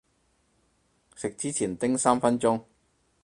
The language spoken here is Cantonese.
食之前叮三分鐘